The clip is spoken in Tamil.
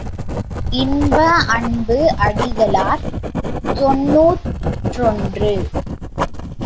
இன்ப அன்பு அடிகளார் தொன்னூற்றொன்று.